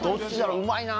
うまいなぁ。